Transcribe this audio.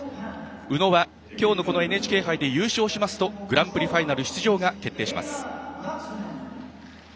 宇野はきょうのＮＨＫ杯で優勝しますとグランプリファイナル出場が決定します。